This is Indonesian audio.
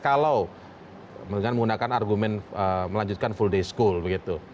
kalau dengan menggunakan argumen melanjutkan full day school begitu